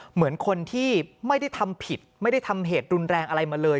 เหมือนคนที่ไม่ได้ทำผิดไม่ได้ทำเหตุรุนแรงอะไรมาเลย